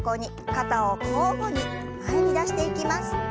肩を交互に前に出していきます。